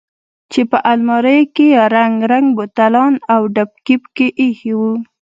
چې په الماريو کښې يې رنګ رنګ بوتلان او ډبکې پکښې ايښي وو.